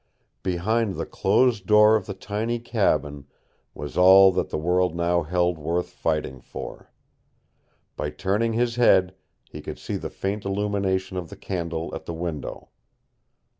Behind the closed door of the tiny cabin was all that the world now held worth fighting for. By turning his head he could see the faint illumination of the candle at the window.